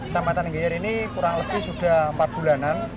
kampanye tanggiyar ini kurang lebih sudah empat bulanan